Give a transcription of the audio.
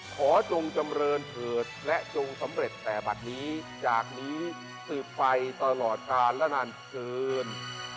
จงจำเรินเถิดและจงสำเร็จแต่บัตรนี้จากนี้สืบไปตลอดกาลและนานเกิน